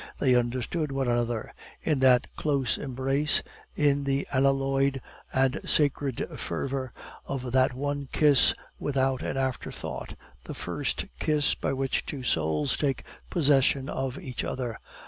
They understood one another in that close embrace, in the unalloyed and sacred fervor of that one kiss without an afterthought the first kiss by which two souls take possession of each other.